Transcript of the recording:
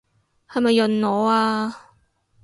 係咪潤我啊？